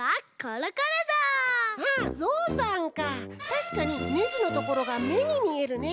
たしかにねじのところがめにみえるね。